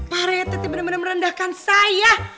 pak rete tiba tiba merendahkan saya